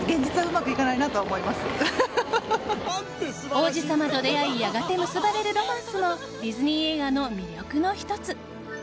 王子様と出会いやがて結ばれるロマンスもディズニー映画の魅力の１つ。